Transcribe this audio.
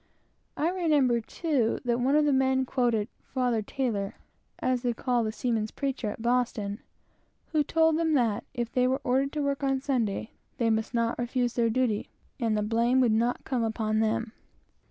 I remember, too, that one of the men quoted "Father Taylor," (as they call the seamen's preacher at Boston,) who told them that if they were ordered to work on Sunday, they must not refuse their duty, and the blame would not come upon them.